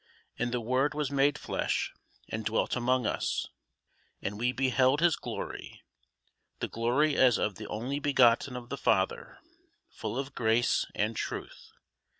And the Word was made flesh, and dwelt among us, (and we beheld his glory, the glory as of the only begotten of the Father,) full of grace and truth.